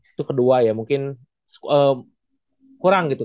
itu kedua ya mungkin kurang gitu